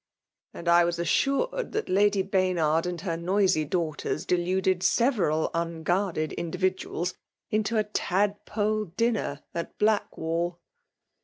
'« And I was assured that Lady Baynard and her noisy dau^ters deluded several un guarded individuals into a tadpole dinner at Blackwall."